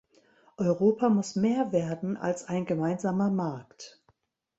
Europa muss mehr werden als ein gemeinsamer Markt.